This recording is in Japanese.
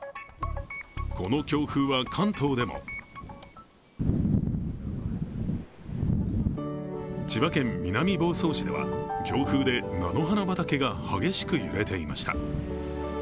この強風は関東でも千葉県南房総市では、強風で菜の花畑が激しく揺れていました。